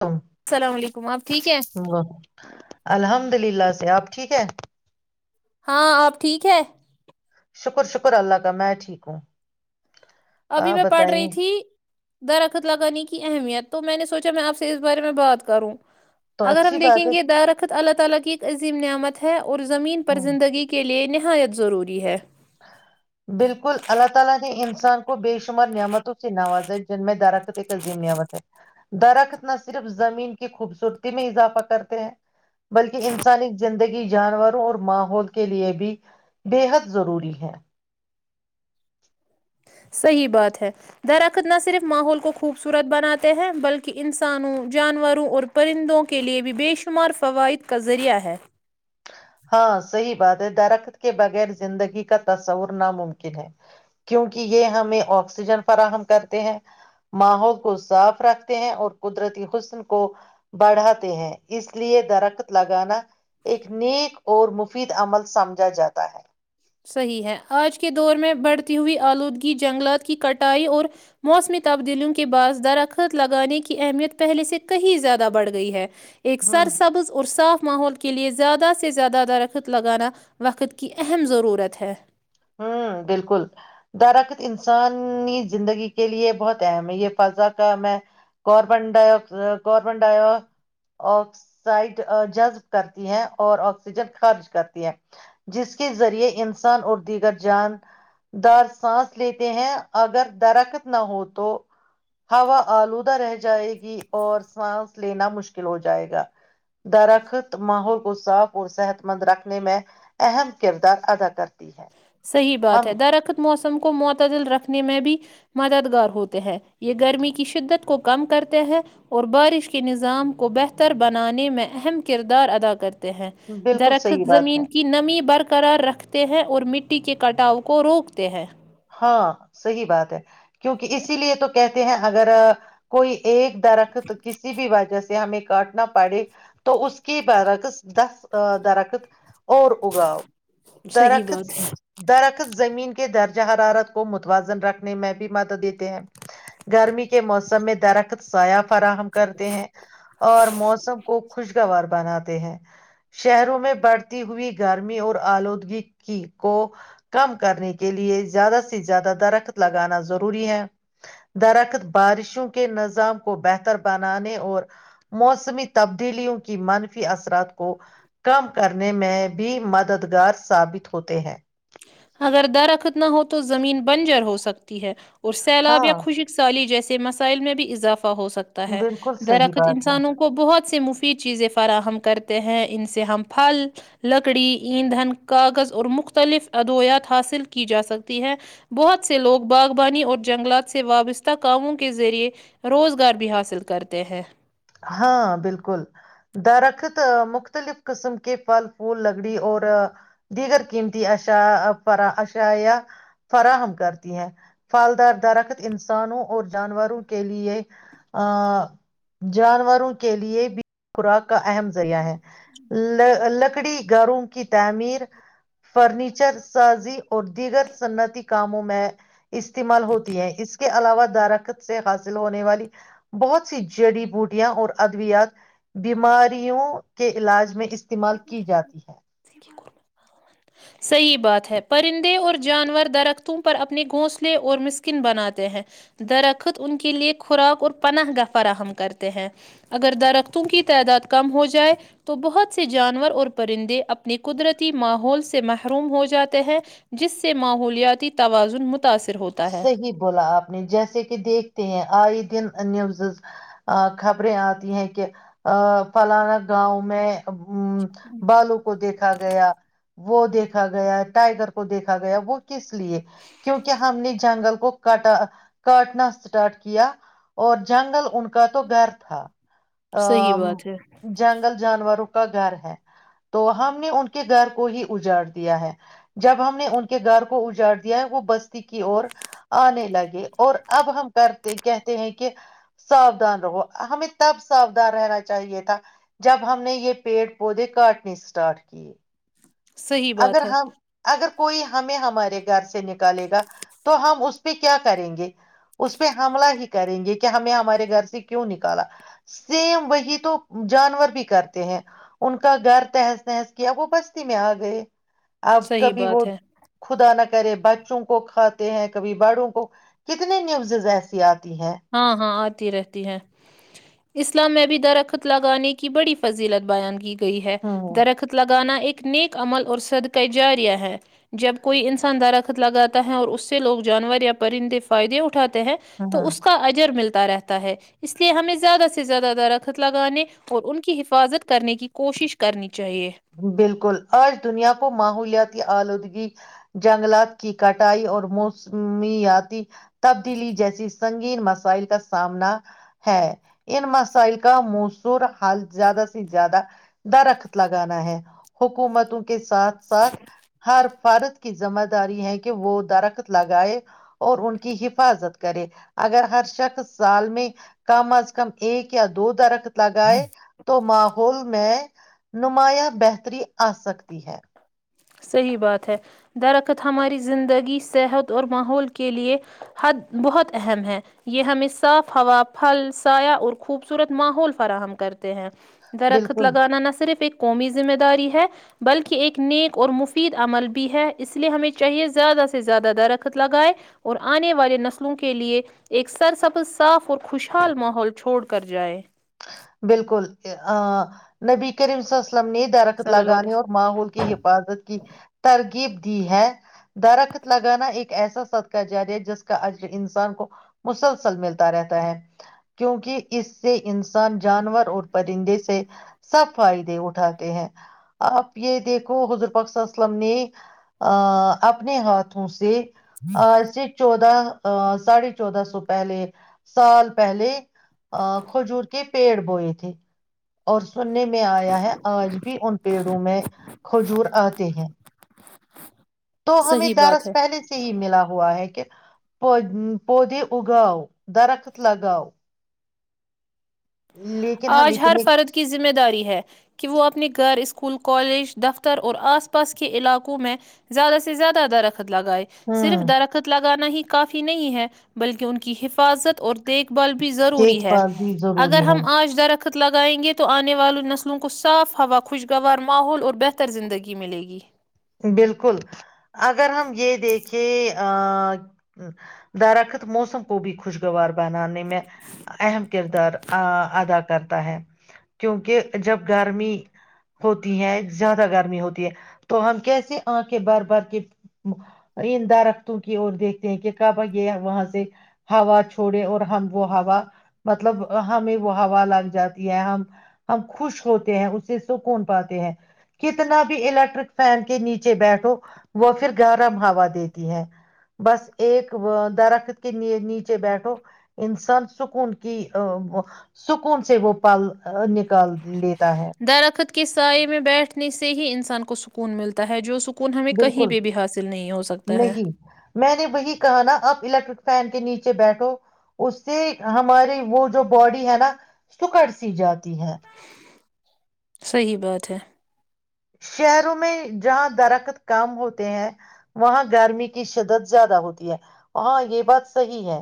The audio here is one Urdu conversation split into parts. تم السلام علیکم آپ ٹھیک ہیں واہ الحمد للہ سے آپ ٹھیک ہے ہاں آپ ٹھیک ہے شکر شکر اللہ کا میں ٹھیک ہوں ابھی آپ میں پڑھ رہی بتائیے تھی درخت لگانے کی اہمیت تو میں نے سوچا میں آپ سے اس بارے میں بات کروں تو اگر اچھی ہم دیکھیں بات ہے گے درخت اللہ الله تالا کی ایک عظیم نعمت ہے [unintelligible] اور زمین پر ہوں زندگی کے لیئے ہاں ت ضروری ہے [unintelligible] بالکل اللہ تعالی نے انسان کو بے شمار نعمتوں سے نوازا ہے جن میں درخت تنظیم نعمت ہے درخت نہ صرف زمین کی خوبصورتی میں اضافہ کرتے ہیں بلکہ انسانی زندگی جانوروں اور ماحول کے لیے بھی بے حد ضروری بھی ہے [unintelligible] صحیح بات ہے درخت نہ صرف ماحول کو خوبصورت بناتے ہیں بلکہ انسانوں جانوروں اور پرندوں کے لیے بھی بے شمار فوائد کا ذریعہ ہے ہاں صحیح بات ہے درخت کے بغیر زندگی کا تصور ناممکن ہے کیونکہ یہ ہمیں آکسیجن فراہم کرتے ہیں ماحول کو صاف رکھتے ہیں اور قدرتی حسن کو بڑھاتے ہیں اس لیے درخت لگانا ایک نیک اور مفید عمل سمجھا جاتا ہے صحیح ہے آج کے دور میں بڑھتی ہوئی آلودگی جنگلات کی کٹائی اور موسمی تبدیلیوں کے بعض درخط لگانے کی اہمیت پہلے سے کہیں زیادہ بڑھ گئی ہے ایک سر ہوں سبز اور صاف ماحول کے لیئے زیادہ سے زیادہ درخت لگانا وقت کی اہم ز ضرورت ہے ہ بالکل درخت انسانی زندگی کے لیے بہت اہم ہے یہ فضا کام کاربن کاربن ڈائی آکسائڈ جذب کرتی ہے اور آکسیجن خارج کرتی ہے جس کے ذریعے انسان اردو دیگر جان دار سانس لیتے ہیں اگر درخت نہ ہو تو ہوا آلودہ رہ جائے گی اور سانس لینا مشکل ہو جائے گا درخت ماحول کو صاف اور صحت مند رکھنے میں اہم کردار ادا کرتی ہے صحیح بات ہم ہے درخت موسم کو معتدل رکھنے میں بھی مددگار ہوتے ہیں یہ گرمی کی شدت کو کم کرتے ہیں اور بارش کے نظام کو بہتر بنانے میں اہم کردار ادا کرتے ہیں بالکل صحیح درخت بات ہے زمین کی نمی برق کررار رکھتے ہیں اور مٹی کے کٹاؤ کو روکتے ہیں ہاں صحیح بات ہے کیونکہ اسی لیے تو کہتے ہیں اگر کوئی ایک رکھ تو کسی بھی وجہ سے ہمیں کاٹنا پڑے تو اس کے برعکس دس درخت اور اگاؤ صحیح درخت بات ہے درخت زمین کے کہ درد [unintelligible] حرارت کو متوازن رکھنے میں بھی مدد دیتے ہیں گرمی کے موسم میں درخت ساف فراہم کرتے ہیں اور موسم کو خوشگوار بناتے ہیں شہروں میں بڑھتی ہوئی گرمی اور آلودگی کو کم کرنے کے لیے زیادہ سے زیادہ درخت لگانا ضروری ہے درخت بارشوں کے نظام کو بہتر بنانے اور موسمی تبدیلیوں کی منفی اثرات کو کم کرنے میں بھی مددگار ثابت ہوتے ہیں اگر درخت نہ ہو تو زمین بنجر ہو سکتی ہے اور سیلاب یا ہاں خوشک سالی جیسے مسائل میں بھی اضافہ ہو سکتا ہے بالکل صحیح درخت بات ہے انسانوں کو بہت سے مفت چیزیں فراہم کرتے ہیں ان سے ہم پھل لکڑی ایندھن کاغذ اور مختلف ادویات حاصل کی جا سکتی ہے بہت سے لوگ باغبانی اور جنگلات سے وابستہ کاموں کے ذریعے روزگار بھی حاصل کرتے ہیں ہاں بالکل درخت مختلف قسم کے پھل پھو لکڑی اور دیگر قیمتی اش اشایا فراہم کرتی ہیں پھلدار درخت انسانوں اور جانوروں کے لیے ا جانوروں کے لیے بھی خوراک کا اہم ذریعہ ہے لکڑی گاروں کی تعمیر فرنیچر سازی اور دیگر صنعتی کاموں میں میں استعمال ہوتی ہے اس کے علاوہ دارخت سے حاصل ہونے والی بہت سی جڑی بوٹیاں اور ادویات بیماریوں کے علاج میں استعمال کی جاتی ہے ہیں صحیح بات ہے پرندے اور جانور درختوں پر اپنے گھونسلے اور مسکن بناتے ہیں درخت ان کے لیے خوراک اور پناہ گاہ فراہم کرتے ہیں اگر درختوں کی تعداد کم ہو جائے تو بہت سے جانور اور پرندے اپنے قدرتی ماحول سے محروم ہو جاتے ہیں جس سے ماحولیاتی توازن مت صحیح بولا آپ نے جیسے کہ دیکھتے ہیں آئے دن نیوزز خبریں آتی ہیں کہ فلانا گاؤں میں ا بالوں کو دیکھا گیا وہ دیکھا گیا ٹائگر کو دیکھا گیا وہ کس لیے کیوں کیا نے جنگل کو کاٹا کاٹنا اسٹارٹ کیا اور جنگل ان کا تو گھر تھا صحیح ا بات ہے جنگل جانوروں کا گھر ہے تو ہم نے ان کے گھر کو ہی اجاڑ دیا ہے جب ہم نے ان کے گھر کو اجاڑ دیا ہے وہ بست کی اور آنے لگے اور اب ہم کرتے کہتے ہیں کہ ساودان رہو ہمیں تب ساودان رہنا چاہیے تھا جب ہم نے یہ پیڑ پودے کاٹنے اسٹارٹ کیے صحیح اگر بات ہے ہم اگر کوئی ہمیں ہمارے گھر سے نکالے گا تو ہم اس پہ کیا کریں گے اس پہ حملہ ہی کریں گے کہ ہمیں ہمارے گھر سے کیوں نکالا سیم وہی تو جانور بھی کرتے ہیں ان کا گھر تہز تہز کیا وہ بستی میں آ گئے آپ صحیح کبھی وہ بات ہے خدا نہ کرے بچوں کو کھاتے ہیں کبھی بڑوں کو کتنے نیوزز ایسی آتی ہیں ہاں ہاں رہتی ہے اسلام میں بھی درخت لگانے کی بڑی فضیلت بیان کی گئی گئی ہے ہوں ہوں درختلا گانا ایک نیک عمل اور صدقہ جااریا ہے جب کوئی انسان درخت لگاتا ہے اور اس سے لوگ جانور یا پرندے فائدے اٹھ ٹھاتے ہیں تو ہوں اس کے ملتا رہتا ہے اس لیے ہمیں زیادہ سے زیادہ درخت لگانے اور ان کی حفاظت کرنے کی کوشش کرنی چاہیے بالکل اور دنیا کو ماحولیات آلودگی جنگلات کی کٹائی اور موسمیاتی تبدیلی جیسی سنگین مسائل کا سامنا ہے ان مسائل کا موصور حال زیادہ سے زیادہ درخت لگ لگانا ہے حکومتوں کے ساتھ ساتھ ہر فرد کی ذمہ داری ہے کہ وہ درخت لگائے اور ان کی حفاظت کرے اگر ہر شخص سال میں کم از کم ایک یا دو درخت لگائے تو ماحول میں نمایاں بہتری آ سکتی ہے صحیح بات ہے درخت ہماری زندگی صحت اور ماحول کے لیے حد بہت اہم ہے یہ ہمیں صاف ہوا پھل سایہ اور خوبصورت ماحول فراہم کرتے ہیں درخت بالکل لگانا نہ صرف ایک قومی ذمہ داری ہے بلکہ ایک نیک اور مفید عمل بھی ہے اس لیے ہمیں چاہیے زیادہ سے زیادہ درخت لگائے اور آنے والے نسلوں کے لیے ایک سر سبز صاف اور خوشحال ماحول چھوڑ کر جائے بالکل آ نبی کرم سے لم نے درخت صلی اللہ علیہ لگانے اور وسلم ماحول کی حفاظت کی ترغیب دی ہے درخت لگانا ایک ایسا سد کا جاری ہے جس کا عجر انسان کو مسلسل ملتا رہتا ہے کیونکہ اس سے انسان جانور اور پرندے سے سب فائدے اٹھاتے ہیں آپ یہ دیکھو حضر پخ اسلم نے اپنے ہاتھوں سے آج سے چودہ ا ساھے چودہ سو پہلے سال پہلے ا کوجور کے پیڑ بوئے تھے اور سننے میں آیا ہے آج بھی ان پیڑوں میں کھجور آتے ہیں تو ہمیں صحیح دارس بات ہے پہلے سے ہی ملا ہوا ہے کہ پ پودے اگاؤ درخت لگاؤ لیکن ہم آج ہر اتنے فرد کی ذمہ داری ہے کہ وہ اپنی گھر اس اسکول کالج دفتر اور آس پاس کے علاقوں میں زیادہ سے زیادہ درخت خت لگائے ہوں صرف درخت لگانا ہی کافی نہیں ہے بلکہ ان کی حفاظت اور دیکھ بھال بھی ضروری دیکھ ہے بھال بھی ضروری ہم ہے آج در لگائیں گے تو آنے والی نسلوں کو صاف ہوا خوشگوار ماحول اور بہتر زندگی ملے گی بالکل اگر ہم یہ دیکھیں درخت موسم کو بھی خوشگوار بنان میں اہم کردار آ ادا کر کرتا ہے کیونکہ جب گرمی ہوتی ہے زیادہ گرمی ہوتی ہے تو ہم کیسے آنکھ بار بار کے ان دہرختوں کی اور دیکھتے ہیں کہ کبا یہ وہاں سے ہوا چھوڑے اور ہم وہ ہوا مطلب ہمیں وہ ہوا لگ جاتی ہے ہم ہم خوش ہوتے ہیں اسے سکون پاتے ہیں کتنا بھی الیکٹرک فین کے نیچے بیٹھو وہ پھر گا گرم ہوا دیتی ہے بس ایک درخت کے نیچے بیٹھو انسان سکون کی سکون سے وہ پل نک لیتا ہے درخت کے سائے میں بیٹھنے سے ہی انسان کو سکون ملتا ہے جو سکون ن ہمیں کہیں بالکل پہ بھی حاصل نہیں ہو سکتا ہے نہیں میں نے وہی کہا نا آپ الیکٹرک فین کے نیچے بیٹھو اس سے ہماری وہ جو باڈی ہے نا سکڑ سی جاتی ہے صحیح بات ہے شہروں میں جہاں درخت کام ہوتے ہیں وہاں گرمی کی شدت زیادہ ہوتی ہے ہاں یہ بات صحی ہے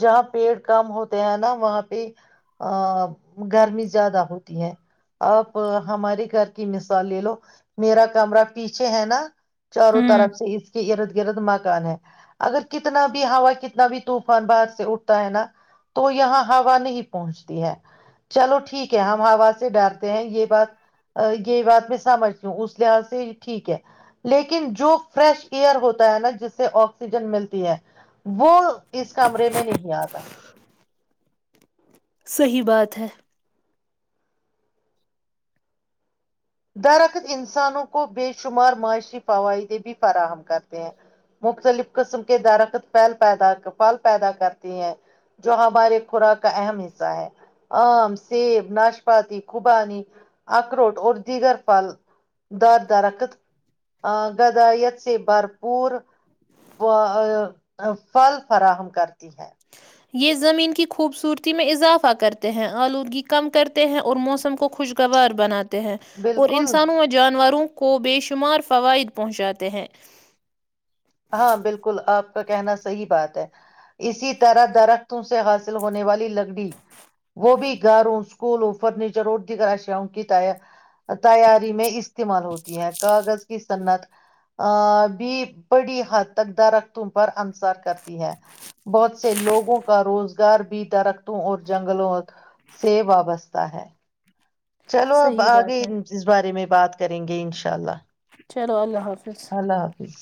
جہاں پیڑ کام ہوتے ہیں نا وہاں پہ گرمی زیادہ ہوتی ہے آپ ہمارے گھر کی مثالیں لے لو میرا کمرہ پیچھے ہے نا چاروں ہوں طرف سے اس کے ارد گرد مکان ہے اگر کتنا بھی ہا کتنا بھی طوفان باہر سے اٹھتا ہے نا تو یہاں ہا نہیں پہنچتی ہے چلو ٹھیک ہے ہم ہا سے ڈرتے ہیں یہ بات یہ بات میں سمجھتی ہوں اس لحاظ سے ٹھیک ہے لیکن جو فریش ایئر ہوتا ہے نا جس سے آکسیجن ملتی ہے وہ اس کمرے میں نہیں آتا ہے صحیح بات ہے درخت انسانوں کو بے شمار معاشی فوائدے بھی فراہم کرتے ہیں مختلف قسم کے درخت پل پیدا پھل پیدا کرتے ہیں جو ہمارے خوراک کا اہم حصہ ہے آم سیب ناشپاتی خوبانی اخروٹ اور دیگر پھل در درخت گغدائیت سے بھرپور پھل فراہم کرتی ہے یہ زمین کی خوبصورتی میں اضافہ کرتے ہیں آلودگی کم کرتے ہیں اور موسم کو خوشگوار بناتے ہیں اور بالکل انسانوں یا جانوروں کو بے شمار فوائد پہنچاتے ہیں ہاں بالکل آپ کا کہنا صحیح بات ہے اسی طرح درختوں سے حاصل ہونے والی لکڑی وہ بھی گاروں اسکولوں فرنیچر اور دیگر اشیاں کی تیاری میں استعمال ہوتی ہے کاغذ کی سنعت ا بھی بڑی حد تک درختوں پر اننصر کر ہے بہت سے لوگوں کا روزگار بھی درختوں اور جنگلوں سے وابستہ ہے چلو اب صحیح آگے بات ہے اس بارے میں بات کریں گے انشاء اللہ چلو اللہ حافظ اللہ حافظ